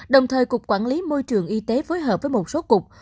đồng thời cục quản lý môi trường y tế phối hợp với một số cục